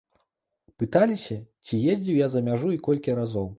Пыталіся, ці ездзіў я за мяжу і колькі разоў.